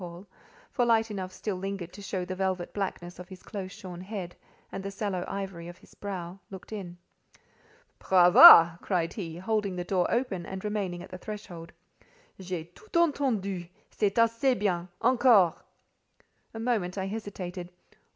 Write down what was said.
Paul, for light enough still lingered to show the velvet blackness of his close shorn head, and the sallow ivory of his brow) looked in. "Brava!" cried he, holding the door open and remaining at the threshold. "J'ai tout entendu. C'est assez bien. Encore!" A moment I hesitated.